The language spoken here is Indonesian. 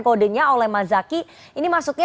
kodenya oleh mas zaky ini maksudnya